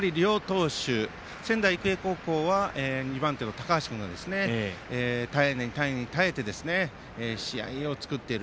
両投手、仙台育英高校は２番手の高橋君が耐えに耐えて試合を作っている。